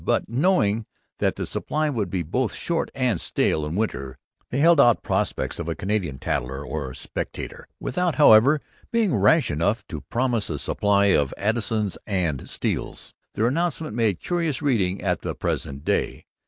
But, knowing that the supply would be both short and stale in winter, they held out prospects of a Canadian Tatler or Spectator, without, however, being rash enough to promise a supply of Addisons and Steeles. Their announcement makes curious reading at the present day.